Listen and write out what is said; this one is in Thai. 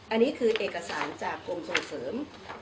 อันนี้คือเอกสารจากกรมส่งเสริม